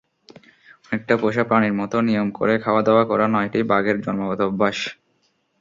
অনেকটা পোষা প্রাণীর মতো নিয়ম করে খাওয়াদাওয়া করা নয়টি বাঘের জন্মগত অভ্যাস।